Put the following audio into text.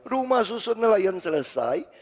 rumah susun nelayan selesai